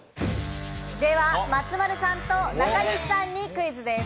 では、松丸さんと中西さんにクイズです。